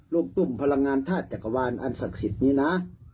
ลูกตุ้มพลังงานธาตุจักรวาลอันศักดิ์สิทธิ์นี้นะ